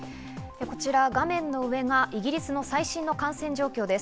画面の上がイギリスの最新の感染状況です。